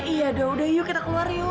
iya udah yuk kita keluar yuk